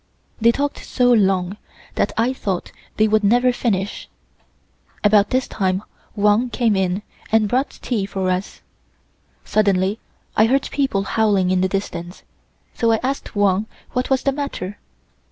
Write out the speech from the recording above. They talked so long that I thought they would never finish. About this time Wang came in and brought tea for us. Suddenly I heard people howling in the distance, so I asked Wang what was the matter.